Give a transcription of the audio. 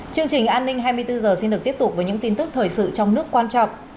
chương trình an ninh hai mươi bốn h xin được tiếp tục với những tin tức thời sự trong nước quan trọng